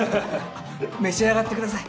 あっ召し上がってください。